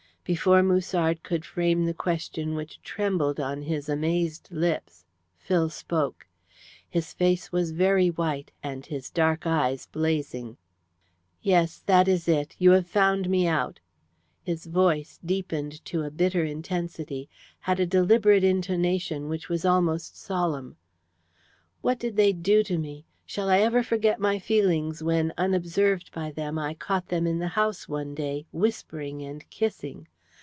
Before Musard could frame the question which trembled on his amazed lips, Phil spoke. His face was very white, and his dark eyes blazing: "Yes. That is it. You have found me out." His voice, deepened to a bitter intensity, had a deliberate intonation which was almost solemn. "What did they do to me? Shall I ever forget my feelings when, unobserved by them, I caught them in the house one day, whispering and kissing?